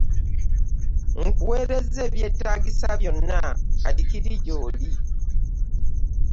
Nkuweerezza ebyetaagisa byonna kati kiri gy'oli.